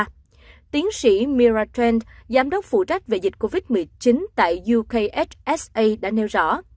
chính sĩ mira trent giám đốc phụ trách về dịch covid một mươi chín tại ukhsa đã nêu rõ